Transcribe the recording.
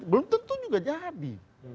belum tentu juga jadi